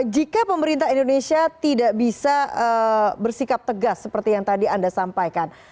jika pemerintah indonesia tidak bisa bersikap tegas seperti yang tadi anda sampaikan